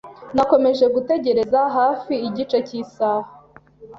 Nakomeje gutegereza hafi igice cy'isaha.